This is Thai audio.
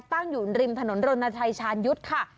ตั้งอยู่ริมถนนรณชัยชาญยุทธ์ค่ะ